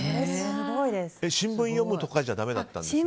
新聞読むとかじゃだめだったんですか？